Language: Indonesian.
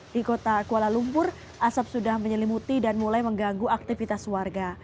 di kota kuala lumpur asap sudah menyelimuti dan mulai mengganggu aktivitas warga